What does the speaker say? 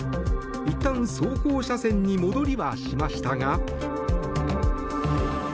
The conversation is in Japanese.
いったん走行車線に戻りはしましたが。